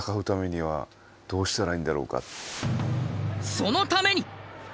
そのために。